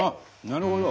なるほど！